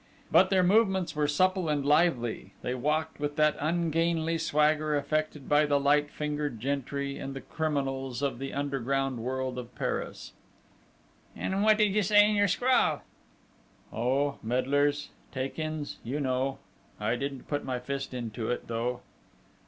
But their movements were souple and lively: they walked with that ungainly swagger affected by the light fingered gentry and the criminals of the underworld of Paris. "And what did you say in your scrawl?" "Oh, medlars! Take ins! You know!... I didn't put my fist to it, though!"